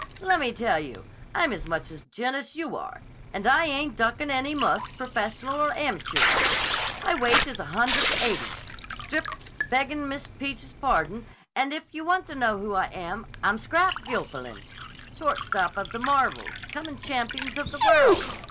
'Lemme tell you, I'm as much a gent as you are. And I ain't duckin' any muss, professional or amachure. My weight is a hundred and eighty, stripped, beggin' Miss Peach's pardon, and if you wanta know who I am, I'm Scrap Gilfillan, shortstop of the Marvels, comin' champions of the world.